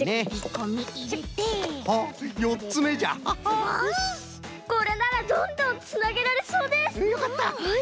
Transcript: これならどんどんつなげられそうです。